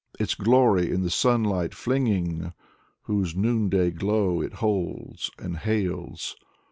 Its glory in the sunlight flinging Whose noonday glow it holds and hails.